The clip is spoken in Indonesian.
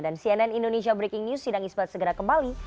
dan cnn indonesia breaking news sidang ismat segera kembali